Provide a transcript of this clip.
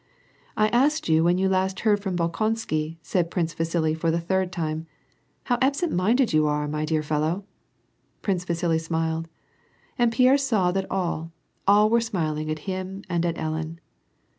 " I asked you when you heard hist from Bolkonsky," said Prince Vasili for the third time. *' llow absent minded you are, my dear fellow !" Prince Vasili smiled. And Pierre saw that all, all were smiling at him and at Ellen.